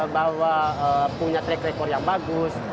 bahwa punya track record yang bagus